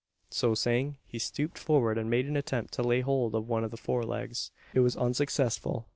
So saying, he stooped forward, and made an attempt to lay hold of one of the fore legs. It was unsuccessful.